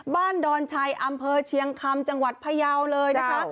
ดอนชัยอำเภอเชียงคำจังหวัดพยาวเลยนะคะ